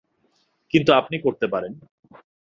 কিন্তু আপনি করতে পারেন।